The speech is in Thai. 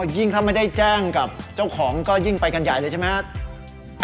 ยิ่งถ้าไม่ได้แจ้งกับเจ้าของก็ยิ่งไปกันใหญ่เลยใช่ไหมครับ